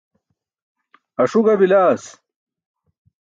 Aṣu ga bilaas.